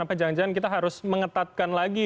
apa jangan jangan kita harus mengetatkan lagi